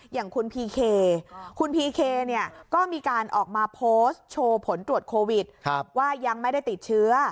อย่างคุณพีเคคุณพีเคก็มีการออกมาโพสต์โชว์ผลตรวจโควิดว่ายังไม่ได้ติดเชื้อ